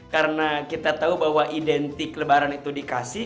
karena kita tahu bahwa identik lebaran itu dikasih